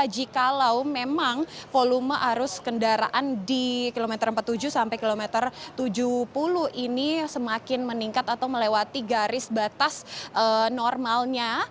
jikalau memang volume arus kendaraan di kilometer empat puluh tujuh sampai kilometer tujuh puluh ini semakin meningkat atau melewati garis batas normalnya